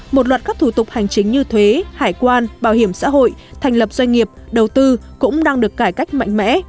một loạt các thủ tục hành chính như thuế hải quan bảo hiểm xã hội thành lập doanh nghiệp đầu tư cũng đang được cải cách mạnh mẽ